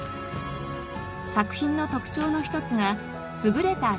作品の特徴の一つが優れた写実力。